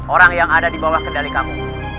orang yang ada di bawah kendali kamu